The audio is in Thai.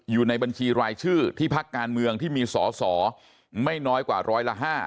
อยู่ในบัญชีรายชื่อที่พักการเมืองที่มีสอสอไม่น้อยกว่าร้อยละ๕